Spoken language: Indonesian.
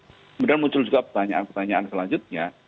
jadi kemudian muncul juga pertanyaan pertanyaan selanjutnya